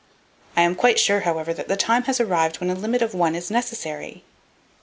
I am quite sure, however, that the time has already arrived when a limit of one is necessary.